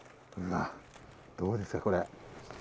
どうですか、これ。